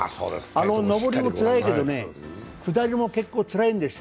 上りもつらいけどね、下りも結構つらいんですよ。